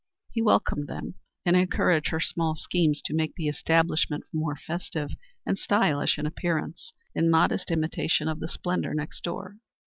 He welcomed them and encouraged her small schemes to make the establishment more festive and stylish in appearance, in modest imitation of the splendor next door.